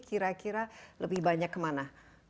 kira kira lebih banyak kemana